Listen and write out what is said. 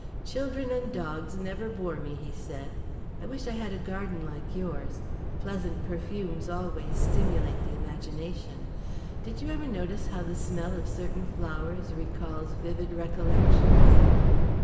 "Children and dogs never bore me," he said. "I wish I had a garden like yours. Pleasant perfumes always stimulate the imagination. Did you ever notice how the smell of certain flowers recalls vivid recollections?"